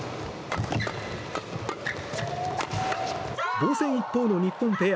防戦一方の日本ペア。